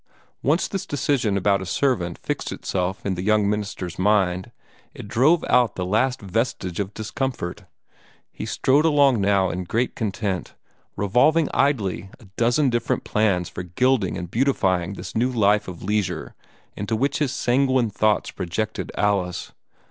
Once this decision about a servant fixed itself in the young minister's mind, it drove out the last vestage of discomfort. He strode along now in great content, revolving idly a dozen different plans for gilding and beautifying this new life of leisure into which his sanguine thoughts projected Alice.